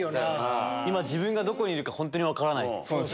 今自分がどこにいるか本当に分からないです。